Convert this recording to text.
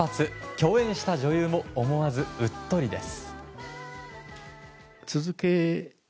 共演した女優も思わずうっとりです！